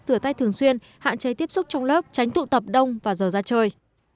rửa tay thường xuyên hạn chế tiếp xúc trong lớp tránh tụ tập đông và giờ ra chơi